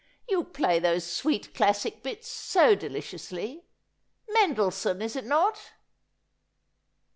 ' You play those sweet classic bits so deliciously. Mendelssohn, is it not